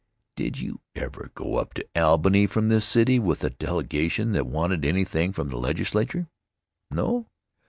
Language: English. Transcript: Did you ever go up to Albany from this city with a delegation that wanted anything from the Legislature? No?